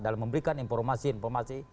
dalam memberikan informasi informasi